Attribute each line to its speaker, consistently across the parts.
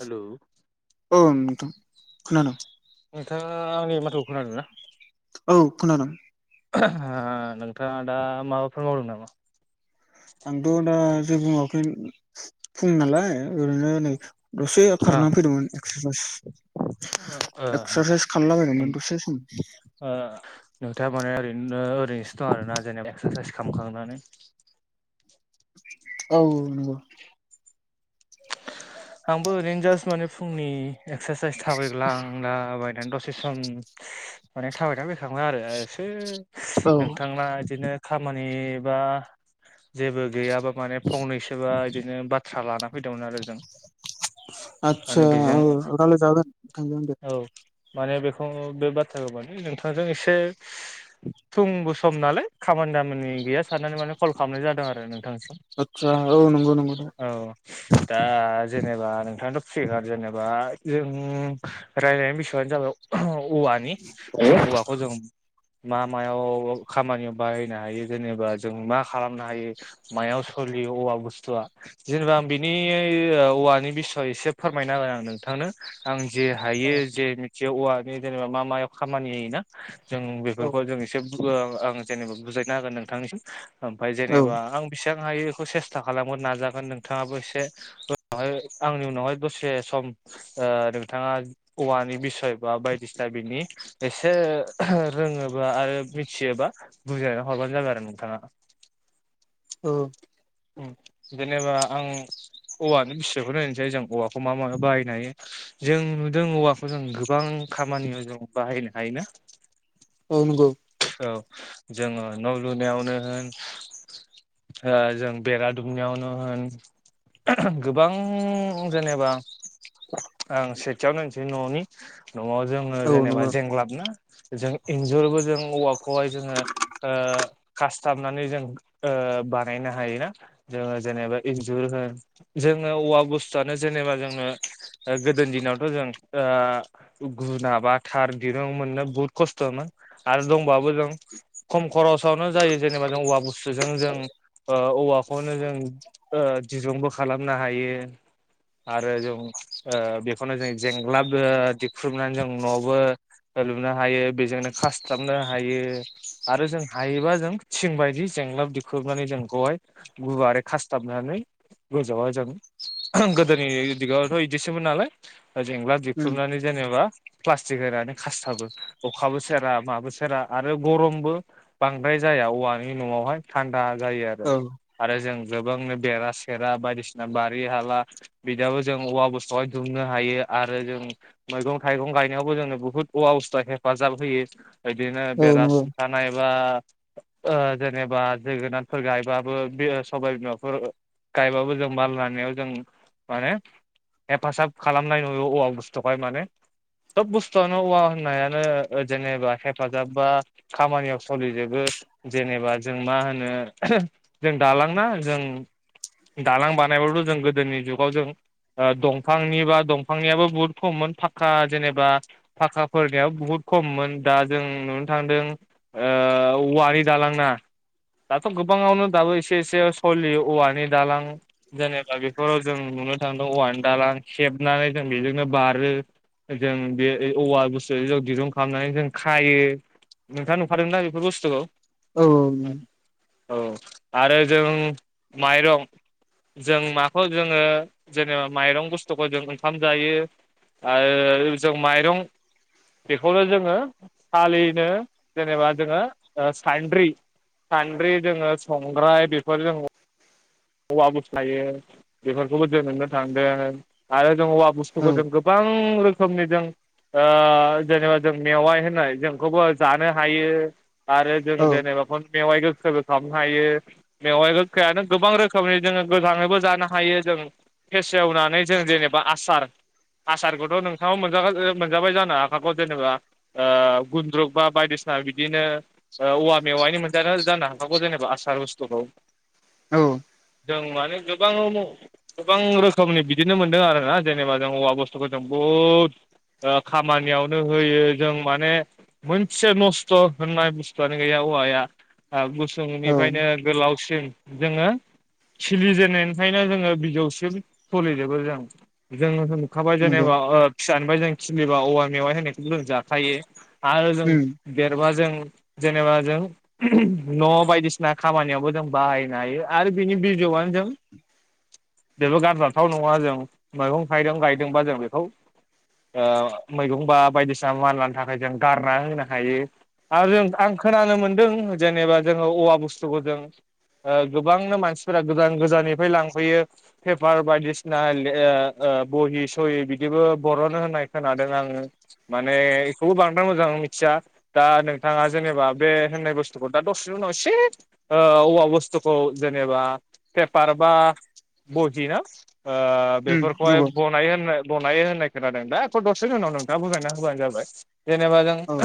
Speaker 1: हेल'
Speaker 2: औ नोंथां खोनादों।
Speaker 1: नोंथाङा आंनि माथोखौ खोनादों ना?
Speaker 2: औ खोनादों।
Speaker 1: नोंथाङा दा माबाफोर मावदों नामा?
Speaker 2: आंथ' दा जेबो मावाखै फुं नालाय ओरैनो नै दसे
Speaker 1: आ
Speaker 2: खारना फैदोंमोन एक्सरासाइस।
Speaker 1: ओ
Speaker 2: एक्सरासाइज खालायलाबाय दोंमोन दसे सम।
Speaker 1: [unintelligible] माने ओरैनो ओरैनोसो दं आरोना जेनेबा एक्सरासाइस खालामखांनानै।
Speaker 2: औ नंगौ
Speaker 1: आंबो ओरैनो जास्ट माने फुंनि एक्सारसाइस थाबायग्लांला बाय दां दसे सम माने थाबायना फैखांबाय आरो एसे
Speaker 2: औ
Speaker 1: नोंथां इदिनो खामानि बा जेबो गैयाबा माने फंनैसोबा इदिनो बाथ्रा लाना फैदोंमोन आरो जों माने
Speaker 2: आतसा
Speaker 1: बेजों
Speaker 2: औ रायलाय जागोन नोंथांजों दे
Speaker 1: औ माने बेखौ बे बाथ्राखौ माने नोंथांजों एसे फुंबो सम नालाय खामानि दामानि गैया साननानै माने कल खालामनाय जादों आरो नों थां
Speaker 2: आदसा औ नंगौ नंगौ
Speaker 1: औ दा जेनबा नोंथाङाथ' फ्रिबा जेनेबा जों रायज्लायनायनि उदैस'आनो जाबाय औवानि जों औवाखौ जों मा मायाव खामानियाव बाहायनो हायो जेनेबा जों मा खालामनो हायो मायाव सोलियो औवा बुस्थुवा जेनेबा आं बिनि ओ औवानि बिसय एसे फोरमायना होगोन आं नोंथांनो आं जे
Speaker 2: औ
Speaker 1: हायो जे मिथियो औवा नि बेलायाव मा मायाव खामानि होयोना जों बेफोरखौ
Speaker 2: औ
Speaker 1: जों एसे आं जेनेबा बुजायनो हागोन नोंथांनिसिम ओमफ्राय जेनेबा आं बिसि बां हायो बेखौ सेस्था खालामोन नाजागोन नोंथाङाबो एसे नावहाय आंनि उनावहाय दसे सम नोंथाङा औवानि बिसय बा बायदिसिना दा बिनि एसे रोङोबा आरो मिथियोबा बुजायना हरबानो जाबाय आरो नों थाङा
Speaker 2: औ
Speaker 1: जेनेबा आं औवानि बिसयखौनो होननोसै जों औवाखौ मा माहाय बाहायनो हायो। जों नुदों औवाखौ जों गोबां खामानियाव जों बाहायनो हायोना?
Speaker 2: औ नोंगौ
Speaker 1: औ जोङो न' लुनायावनो होन ओ जों बेरा दुमनायावनो होन गोबां जेनेबा आं सेथियाव होनसै न'नि न'आव जोङो
Speaker 2: औ
Speaker 1: जेनेबा
Speaker 2: नंगौ
Speaker 1: जेंग्लाबना जों इन्जुरबो जों औवा खौहाय जोङो ओ खासथाबनानै जों ओ बानायनो हायोना जोङो जेनेबा इन्जुर होन जों ङो औवा बुस्थुआनो जेनेबा जोङो गोदोनि दिनावथ जों गुना माबा थार दिरुं मोननो बुहुत खस्थ'मोन आरो दंबाबो जों खम खरसावनो जायो जेनेबा जों औवा बुस्थुजों जों ओ औवाखौनो जों ओ ओ दिरुंबो खालामनो हायो। आरो जों ओ बेखौनो जों जेंग्लाब दिख्रुबनानै जों न'बो लुनो हायो बेजोंनो खास थाबनो हायो आरो जों हायोबा जों थिं बायदि जेंलाब दिख्रुबनानै जों बेखौहाय गुवारै खासथाबनानै गोजावाजां गोदोनि दिगावथ बिदिसोमबो नालाय जेंला
Speaker 2: उम
Speaker 1: दिख्रुबनानै जेनेबा प्लास्टिक होनानै खासथाबो अखाबो सेरा माबो सेरा आरो गरमबो बांद्राय जाया औवानि न'वावहाय था स्रां जायो आरो
Speaker 2: औ
Speaker 1: आरो जों गोबांनो बेरा सेरा बायदिसिना बारि हाला बिदाबो जों औवा बुस्थुहाय दुमनो हायो। आरो जों मैगं थाइगं गायनायावबो जोंनो बुहुत औवा बुस्थुवा हेफाजाब होयो। बिदिनो
Speaker 2: औ
Speaker 1: बेरा
Speaker 2: नंगौ
Speaker 1: सुंथानाय एबा ओ जेनेबा जोगोनारफोर गायबाबो बे सबाय बिमाफोर गायबाबो जों माल लानायाव जों माने हेफाजाब खालामनाय नुयो औवा बुस्थुखाय माने थब बुस्थुआनो औवा होननायानो ओ जेनेबा हेब हेफाजाब बा खामानियाव सलिजोबो जेनेबा जों मा होनो जों दा लांना जों दालां बानायबाथ जों गोदोनि जुगाव जों ओ दंफांनि बा दंफांनियाबो बुहुत खममोन फाखा जेनेबा फाखाफोरनियाबो बुहुत खममोन दा जों नुनो थांदों ओ औवारि दालां ना दाथ' गोबाङावनो दाबो एसे एसे सलियो औवानि दालां जेनेबा बेफोराव जों नुनो थांदों औवानि दालां हेबनानै जों बेजोंनो बारो। जों बे औवा बुस्थु जों दिरुं खालामनानै जों खायो नोंथाङा नुखादों ना बेफोर बुस्थुखौ?
Speaker 2: औ औ
Speaker 1: औ आरो जों माइरं जों माखौ जोङो जेनेबा माइरं बुस्थुखौ जों ओंखाम जायो। आरो जों माइरं बेखौनो जोङो सालिनो जेनेबा जोङो साइन्द्रि सान्द्रि जोङो संग्राय बेफोर जों हवाबो थायो बेफोरखौबो जों नुनो थांदों आरो जों औवा बुस्थुखौ जों गोबां रोखोमनि जों ओ जेनेबा जों मेवाइ होननाय जोंखौबो जानो हायो। आरो जोङो
Speaker 2: औ
Speaker 1: जेनेबाखौ मेवाइ गोखैबो खालामनो हायो। मेवाइ गोखैयानो गोबां रो खोमनि जोङो गोथाङैबो जानो हायो जों फेसेवनानै जों जेनेबा आसार आसारखौथ' नोंथाङाबो मोन ओ मोनजाबाय जानो हाखाखौ जेनेबा ओ गुन्द्रुक बा बायदिस बा बिदिनो ओ औवा मेवाइनि मोनजानो जानो हाखागौ जेनेबा आसार बुस्थुखौ।
Speaker 2: औ।
Speaker 1: जों माने गोबां गोबां रोखोमनि बिदिनो मोनदों आरोना। जेनेबा जों औवा बुस्थुखौ जों बहद ओ खामानियावनो होयो जों माने मोनसे नस्थ' होननाय बुस्थुआनो गैया। औवाया ओ
Speaker 2: औ
Speaker 1: गुसुंनिफ्रायनो गोलावसिन जोङो खिलिजेननायनिफ्रायनो जोङो बिजौसिम सलिजोबो जों। जोङो [unintelligible] नुखाबाय
Speaker 2: नंगौ
Speaker 1: जेनेबा ओ फिसानिफाय जों खिलिबा औवा मेवाइ होनायखौबो जों जाखायो। आरो जों
Speaker 2: उम
Speaker 1: देरबा जों जेनेबा जों न' बायदिसिना खामानियावबो जों बाहायनो हायो आरो बिनि बि [unintelligible] जों बेबो गारजाथाव नङा जों मैगं थाइगं गायदोंबा जों बेखौ ओ मैगं बा बायदिसिना मानलानो थाखाय जों गारना होनो हायो। आरो जों आं खोनानो मोन्दों जेनेबा जोङो औवा बुस्थुखौ जों ओ गोबांनो मानस फोरा गोजान गोजाननिफाय लांफैयो पेपार बायदिसिना ले ओ बहि सहि बिदि इबो बर'नो होननाय खोनादों आङो माने इखौबो बांद्राय मोजां मिथिया। दा नोंथा थाङा जेनेबा बे होननाय बुस्थुखौ दा दसेनि उनाव एसे ओ औवा बुस्थुखौ जेनेबा पेपार बा बहिना ओ
Speaker 2: उम
Speaker 1: बेफोरखौहाय
Speaker 2: नंगौ
Speaker 1: बनायोनो होन्नाय बनायो होननाय खोनादों। दा अख' दसेनि उनाव नोंथाङा बुजायना होबानो जाबाय। जेनेबा जों
Speaker 2: औ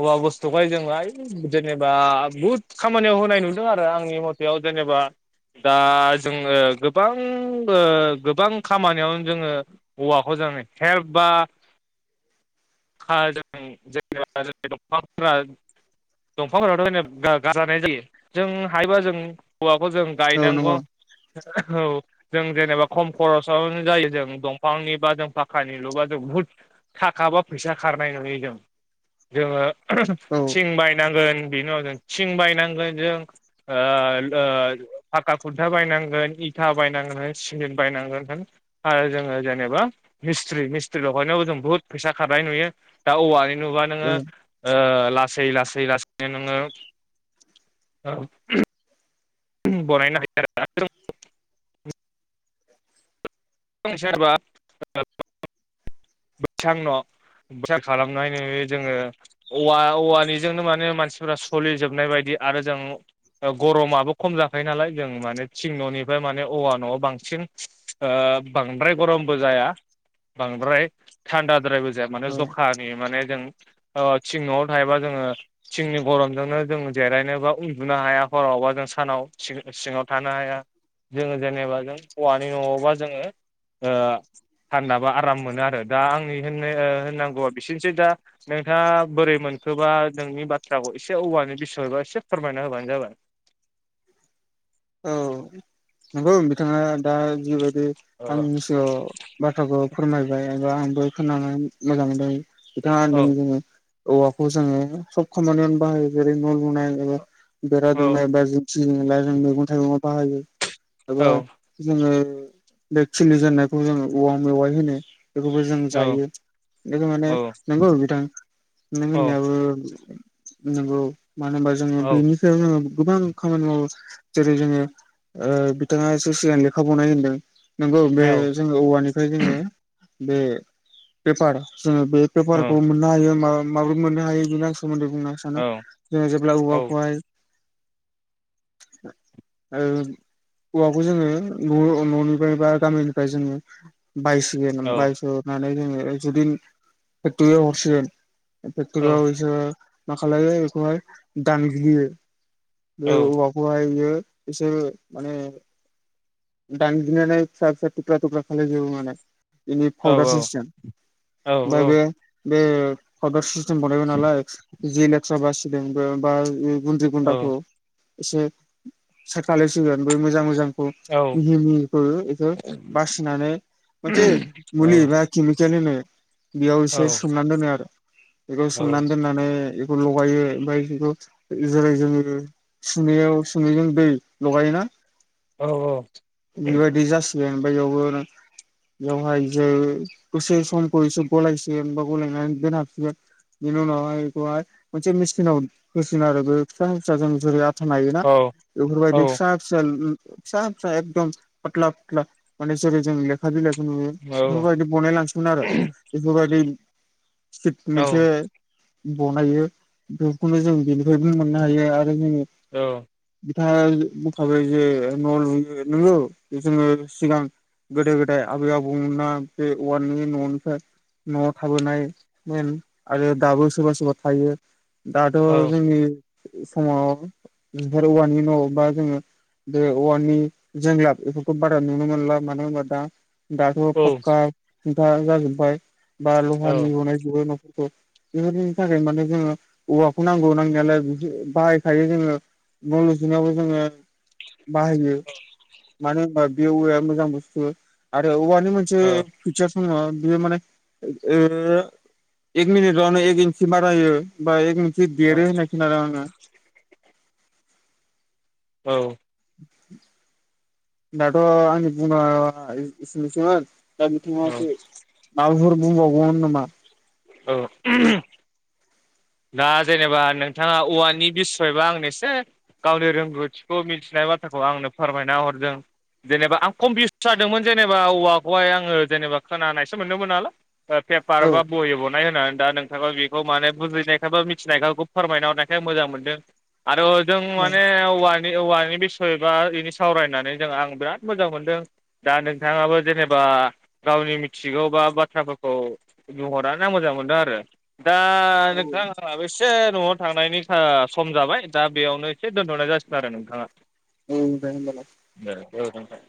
Speaker 1: औवा बुस्थुखाय जों आइ जेनेबा बुहुद खामानियाव होनाय नुदों आरो। आंनि मथ बेयाव जेनेबा दा जोङो गोबां ओ गोबां खामानियावनो जोङो औवाखौ जों हेलप बा [unintelligible] दंफांफोराथ' [inaudible] जायो जों हायोबा जों औवाखौ जों
Speaker 2: औ
Speaker 1: गायनांगौ
Speaker 2: नंगौ
Speaker 1: औ जों जेनेबा खम खरसावनो जायो जों दंफांनिबा जों पाखखानि लुबा जों बहुद थाखा बा फैसा खारनाय नुयो जों। जोङो
Speaker 2: औ
Speaker 1: थिं बायनांगोन बिनि उनाव जों थिं बायनांगोन जों ओ ओ फाखा खुन्था बायनांगोन इथा बायनांगोन होन सिमेन्ट बायनांगोन होन आरो जोङो ओ जेबा मिस्ट्रि मिस्ट्रि लगायनायावबो जों बुहुत फैसा खारनाय नुयो। दा औवानि नुबा नोङो
Speaker 2: औ
Speaker 1: ओ लासै लासै लासैनो नोङो बरानायनो हायो आरो ना जों [unintelligible] बैसां न' [unintelligible] खालामनाय नुयो जोङो। औवा औवानिजोंनो माने मानसिफोरा सोलिजोबनाय बायदि आरो जों ओ गरमाबो खम जाखायो नालाय जों माने थिं न'निफाय माने औवा न'आ बांसि सिन ओ बांद्राय गरमबो जाया। बांद्राय थान्दाद्रायबो जाया माने
Speaker 2: औ
Speaker 1: जखानि माने। जों ओ थिं न'आव थायोबा जोङो थिंनि गरमजोंनो जों जेरायनो बा उन्दुनो हाया। हरावबा जों सानाव सि-सिङाव थानो हाया। जोङो जेनेबा जों हौवानि न'आवबा जोङो थान्दाबा आराम मोनो आरो दा आंनि होननो होननांगौवा बिसोरनोसै दा नोंथाङा बोरै मोनखोबा नोंनि बाथ्राखौ एसे औवानि बिसयबा एसे फोरमायना होबानो जाबाय
Speaker 2: औ ओ बिथाङा दा जिबायदि
Speaker 1: औ
Speaker 2: आंनि सिगायाव बाथ्राखौ फोरमायबाय आं आंबो खोनानो मोजां मोनदों बिथाङा होनदों
Speaker 1: औ
Speaker 2: जोङो औवाखौ जोङो सब खामानियावनो बाहायो जेरै न' लुनाय एबा बेरा
Speaker 1: औ
Speaker 2: दोंनाय बा जों मैगं थाइगंङाव बाहायो
Speaker 1: औ
Speaker 2: एबा जोङो बे खिलि जेननायखौ जोङो औवां मेवाइ होनो बेखौबो जों
Speaker 1: औ
Speaker 2: जायो बेखौ माने
Speaker 1: औ
Speaker 2: नंगौ बिथां नों
Speaker 1: औ
Speaker 2: होननायाबो नंगौ मानो होनबा जोङो
Speaker 1: औ
Speaker 2: बेनि सायाव जोङो गोबां खामानि मावो जेरै जोङो ओ बिथाङा एसे सिगां लेखा बावनाय होनदों नंगौ बे जोङो औवानिफ्राय जोङो बे बेफार जोङो बे पेपारखौ मोननो हायो मा माबोरै मोननो हायो बे सोमोन्दै बुंनो सानो जोङो जेब्ला
Speaker 1: औ
Speaker 2: औवाखौहाय औ औवाखौ जोङो न न'निफ्राय बा गामिनिफ्राय जोङो बायसिगोन
Speaker 1: औ
Speaker 2: बायसनानै जोङो जुदि फेक्टरियाव हरसिगोन
Speaker 1: औ
Speaker 2: फेक्ट'रियाव बिसोरो मा खालामो बेखौहाय दानग्लियो बे औवाखौहायो बियो एसे माने दानग्लिनानै फिसा फिसा थुक्रा थुक्रा खालायजोबो माने बिनि
Speaker 1: औ
Speaker 2: फावडार सिस्टेम
Speaker 1: औ औ
Speaker 2: ओमफ्राय बे बे पावदार सिस्टेम बानायबाय नालाय जि लेथारा बासिदों बे बा गुन्द्रि
Speaker 1: औ
Speaker 2: गुन्दाखौ एसे सायड खालायसिगोन बै मोजां मोजांखौ
Speaker 1: औ
Speaker 2: मिहि मिहि एखौ बासिनानै मोनसे
Speaker 1: औ
Speaker 2: मुलि बि केमिकेल होनो बेयाव
Speaker 1: औ
Speaker 2: एसे सोमनानै दोनो आरो बेखौ सोमनानै दोननानै लगायो ओमफ्राय बेखौ जेरै जोङो सुनैयाव सुनैजों दै लगायोना
Speaker 1: औ औ
Speaker 2: बेबायदि जासिगोन ओमफाय बेयावबो बेवहाय जे दसे समखौ एसे गलायसिगोन बा गलायनानै दोनहाबसिगोन बेनि उनावहाय बेखौहाय मोनसे मेसिनाव होसिगोन आरो बे फिसा फिसाजों जेरै नायोना बेफोरबायदि फिसा फिसा फिसा फिसा एकदम फाटला फाटला माने जेरै जोङो लेखा बिलाइ खौ नुयो
Speaker 1: औ
Speaker 2: बेफोरबायदि बनायलांसिगोन आरो बेफोरबायदि टिप मोनसे बनायो बेखौनो जों बेनिफ्रायबो मोननो हायो आरो बिथाङा बुंखाबाय जे न' लु ओ नोंगौ जोङो सिगां गोदो गोदाय आबै आबौमोनहा बे औवानि नवावनो न'आव थाबोनाय नेम आरो दाबो सोरबा सोरबा थायो दाथ' जोंनि समाव नोंसोर औवानि न' बा जोङो बे औवानि जोंलाब बेफोरखौ बारा नुनो मोनला मानो होनबा दा दाथ' फाक्का खुनथा जाजोबबाय बा लहानि बनायजोबबाय न'खरफोरखौ बेफोरनि थाखाय माने जोङो औवाखौ नांगौ नांनायालाय बि बाहायखायो जोङो न'लुजेनायावबो जोङो बाहायो मानो होनबा बे औवाया मोजां बुस्थु आरो औवानि मोनसे फिचार्स दङ बियो माने एक मिनिटावनो एक इन्सि बारायो बा एक मि देरो होननाय खोनादों आंङो
Speaker 1: औ
Speaker 2: दाथ' आंनि बुंनाया एसेनोसैमोन। दा बिथाङासो माबाफोर बुंबावगौमोन नामा?
Speaker 1: औ दा जेनेबा नोंथाङा औवानि बिसयबा आंनो एसे। गावनि रोंगौथिखौ मिथिनाय बाथ्राखौ आंनो फोरमायना हरदों। जेनेबा आं कम्पिउस जादोंमोन जेनेबा औवाखौहाय आङो जेनेबा खोनानायसो मोनदोंमोन नालाय। पेपार
Speaker 2: औ
Speaker 1: बा बहि बनायो होननानै दा नोंथाङा बेखौ माने बुजिनाय। बा मिथिनायखौ फोरमायना हरनायखाय मोजां मोनदों आरो जों
Speaker 2: औ
Speaker 1: माने। औवानि बिसय बा बिनि सावरायनानै जों आं बिराद मोजां मोनदों दा नोंथाङाबो जेनेबा। बा गावनि मिथिगौ बा बाथ्राफोरखौ बुंहरना मोजां मोनदों आरो दा नोंथां आंहाबो एसे न'आव थांनायनि सम जाबाय दा बेयावनो एसे दोन्थ'नाय जासिगोन आरो नोंथाङा।
Speaker 2: औ दे होनबालाय।
Speaker 1: ओ नोंथां।